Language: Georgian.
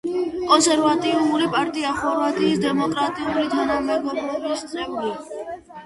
კონსერვატიული პარტია ხორვატიის დემოკრატიული თანამეგობრობის წევრი.